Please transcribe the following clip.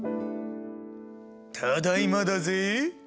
ただいまだぜぇ。